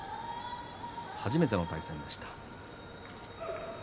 初めての対戦でした。